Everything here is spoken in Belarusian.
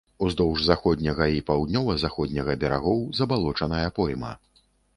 Уздоўж заходняга і паўднёва-заходняга берагоў забалочаная пойма.